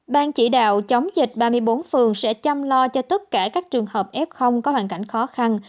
ban chỉ đạo chống dịch ba mươi bốn phường sẽ chăm lo cho tất cả các trường hợp f có hoàn cảnh khó khăn